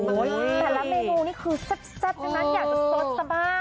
แต่ละเมนูนี่คือซับนั้นอยากสดสบาก